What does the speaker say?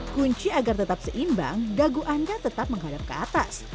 kunci agar tetap seimbang dagu anda tetap menghadap ke atas